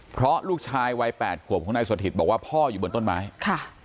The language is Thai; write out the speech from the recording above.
เพราะลูกชายวัยแปดขวบของนายสถิตบอกว่าพ่ออยู่บนต้นไม้ค่ะ